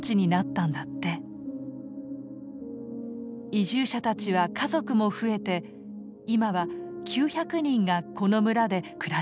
移住者たちは家族も増えて今は９００人がこの村で暮らしている。